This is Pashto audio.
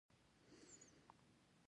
د تخار په چاه اب کې د سرو زرو لوی کان دی.